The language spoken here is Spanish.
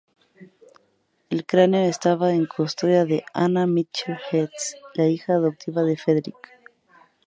El cráneo estaba en custodia de Anna Mitchell-Hedges, la hija adoptiva de Frederick.